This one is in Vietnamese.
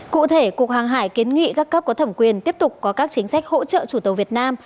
cụ thể cục hàng hải kiến nghị các cấp có thẩm quyền tiếp tục có các chính sách hỗ trợ chủ tàu việt nam